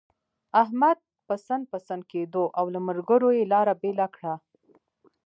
احمد پسن پسن کېدو، او له ملګرو يې لاره بېله کړه.